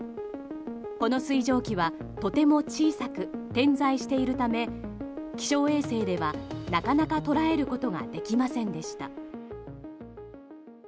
この水蒸気はとても小さく点在しているため気象衛星では、なかなか捉えることができませんでした。